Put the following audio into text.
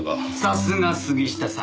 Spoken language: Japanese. さすが杉下さん。